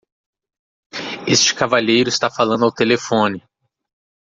Este cavalheiro está falando ao telefone